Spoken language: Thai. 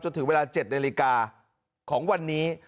ถึงเวลา๗นาฬิกาของวันนี้